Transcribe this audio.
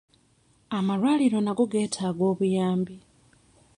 Amalwaliro nago geetaaga obuyambi.